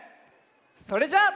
それじゃあ。